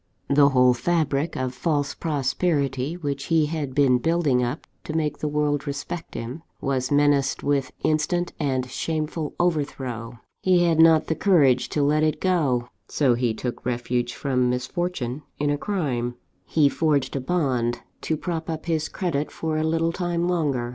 The whole fabric of false prosperity which he had been building up to make the world respect him, was menaced with instant and shameful overthrow. He had not the courage to let it go; so he took refuge from misfortune in a crime. "He forged a bond, to prop up his credit for a little time longer.